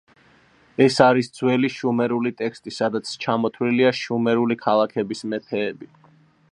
ეს არის ძველი შუმერული ტექსტი სადაც ჩამოთვლილია შუმერული ქალაქების მეფეები.